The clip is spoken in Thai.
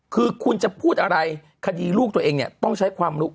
คือคุณจะพูดอะไรคดีลูกตัวเองเนี่ยต้องใช้ความรู้